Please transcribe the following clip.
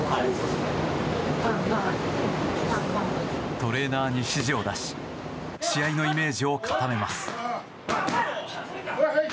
トレーナーに指示を出し試合のイメージを固めます。